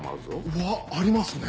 うわっありますね！